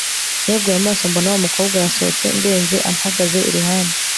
neguye amaso mbona wa mukobwa yasohotse ndetse ampagaze iruhande